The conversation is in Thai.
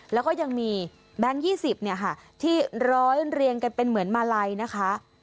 แล้วก็ยังมีแบงค์๒๐เนี่ยค่ะที่ร้อยเรียงกันเป็นเหมือนมาลัยนะคะ